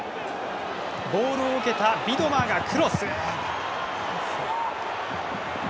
ボールを受けたビドマーがクロス。